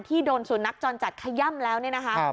โดนสุนัขจรจัดขย่ำแล้วเนี่ยนะคะ